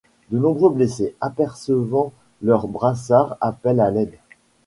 De nombreux blessés, apercevant leur brassard appellent à l’aide.